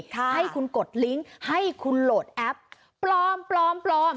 ให้คุณกดลิงค์ให้คุณโหลดแอปปลอม